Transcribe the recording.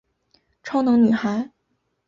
超能女孩。